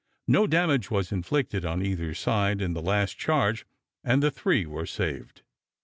No damage was inflicted on either side in the last charge, and the three were saved.